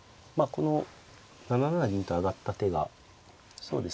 この７七銀と上がった手がそうですね